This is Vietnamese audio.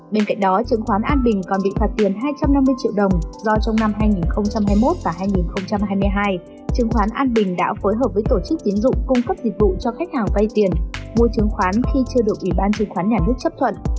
bên cạnh đó chứng khoán an bình còn bị phạt tiền hai trăm năm mươi triệu đồng do trong năm hai nghìn hai mươi một và hai nghìn hai mươi hai chứng khoán an bình đã phối hợp với tổ chức tiến dụng cung cấp dịch vụ cho khách hàng vay tiền mua chứng khoán khi chưa được ủy ban chứng khoán nhà nước chấp thuận